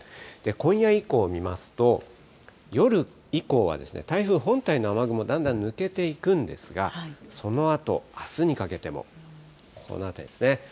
今夜以降見ますと、夜以降は、台風本体の雨雲、だんだん抜けていくんですが、そのあと、あすにかけても、ここの辺りですね。